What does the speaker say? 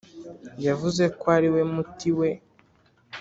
yavuze ko ari we muti we